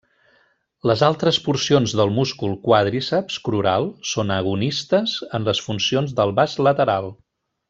Les altres porcions del múscul quàdriceps crural són agonistes en les funcions del vast lateral.